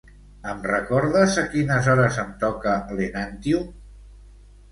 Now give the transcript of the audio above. Em recordes a quines hores em toca l'Enantyum?